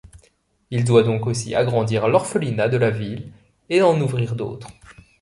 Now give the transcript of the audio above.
Il doit donc aussi agrandir l'orphelinat de la ville et en ouvrir d'autres.